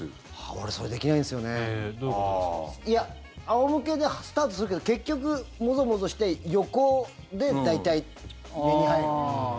仰向けでスタートするけど結局、もぞもぞして横で大体、寝に入るんです。